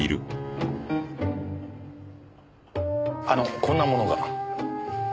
あのこんなものが。